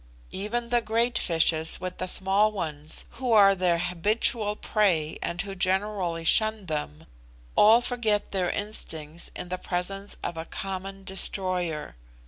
Even the great fishes with the small ones, who are their habitual prey and who generally shun them, all forget their instincts in the presence of a common destroyer.